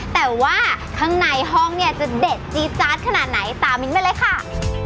แต่ว่าในห้องจะเด็ดจี๊ดจัดขนาดไหนตามินไปเลยค่ะ